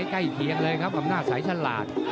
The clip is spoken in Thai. ใกล้เคียงเรื่องครับกำหน้าใสฉลาด